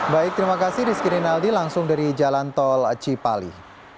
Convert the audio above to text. baik terima kasih rizky rinaldi langsung dari jalan tol cipali